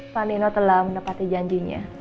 pak nino telah mendapati janjinya